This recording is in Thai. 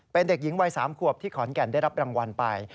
เป็นเด็กหญิงวัย๓ขวบที่ขอนแก่นได้รับรางวัลไป